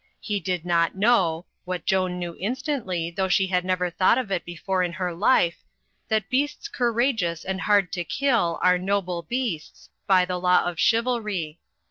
He did not know (what Joan knew instantly, though she had never thought of it before in her life) that beasts courageous and hard to kill are noble beasts, by the law of chivalry.